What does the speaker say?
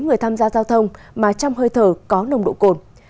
người tham gia giao thông mà trong hơi thở có nồng độ cồn